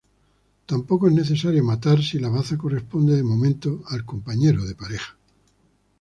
Tampoco es necesario matar si la baza corresponde de momento al compañero de pareja.